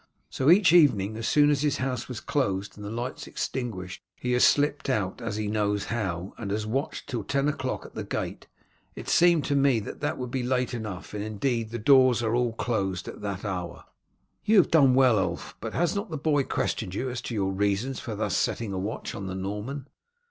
So each evening, as soon as his house was closed and the lights extinguished, he has slipped out, as he knows how, and has watched till ten o'clock at the gate. It seemed to me that that would be late enough, and indeed the doors are closed at that hour." "You have done well, Ulf; but has not the boy questioned you as to your reasons for thus setting a watch on the Norman?"